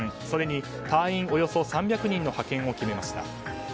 それに隊員およそ３００人の派遣を決めました。